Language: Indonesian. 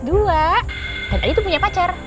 dan adi tuh punya pacar